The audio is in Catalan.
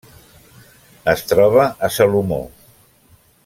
Es troba a Salomó.